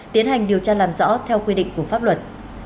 tiến hành điều tra làm rõ theo quy định của pháp luật